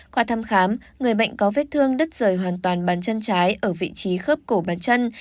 qua thăm khám người bệnh có vết thương đứt rời hoàn toàn bán chân trái ở vị trí khớp cổ bàn chân